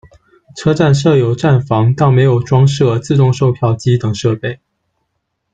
车站设有站房，但没有装设自动售票机等设备。